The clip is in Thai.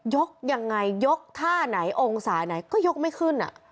ยกยังไงยกท่าไหนองศาไหนก็ยกไม่ขึ้น